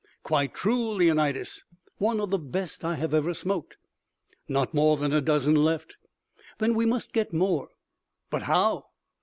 "Quite true, Leonidas. One of the best I have ever smoked." "Not more than a dozen left." "Then we must get more." "But how?"